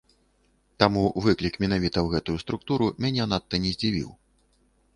Таму выклік менавіта ў гэтую структуру мяне надта не здзівіў.